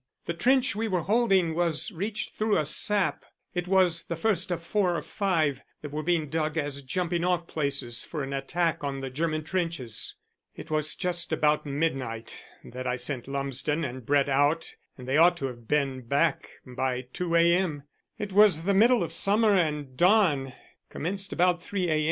The trench we were holding was reached through a sap: it was the first of four or five that were being dug as jumping off places for an attack on the German trenches. "It was just about midnight that I sent Lumsden and Brett out and they ought to have been back by 2 a. m. It was the middle of summer and dawn commenced about 3 a.